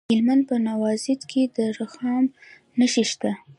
د هلمند په نوزاد کې د رخام نښې شته.